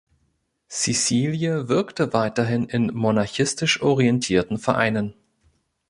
Cecilie wirkte weiterhin in monarchistisch orientierten Vereinen.